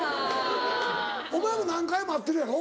お前も何回も会ってるやろ？